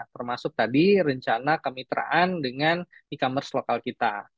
termasuk tadi rencana kemitraan dengan e commerce lokal kita